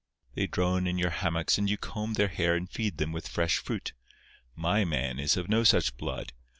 They drone in your hammocks and you comb their hair and feed them with fresh fruit. My man is of no such blood.